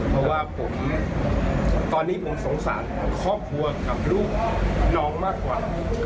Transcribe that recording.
เพราะว่าผมตอนนี้ผมสงสารครอบครัวกับลูกน้องมากกว่า